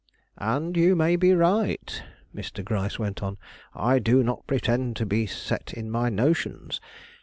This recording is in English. "And you may be right," Mr. Gryce went on. "I do not pretend to be set in my notions.